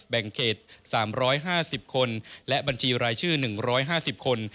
แบ่งเขต๓๕๐คนและบัญชีรายชื่อ๑๕๐คน